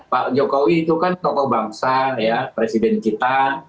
pak jokowi itu kan tokoh bangsa ya presiden kita